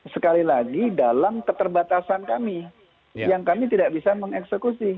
sekali lagi dalam keterbatasan kami yang kami tidak bisa mengeksekusi